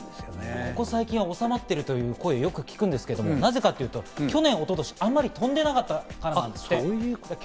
ここ最近は収まってるという声をよく聞くんですが、なぜかというと去年、一昨年はあまり飛んでなかったんですって。